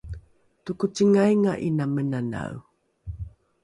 tokocingainga ’ina menanae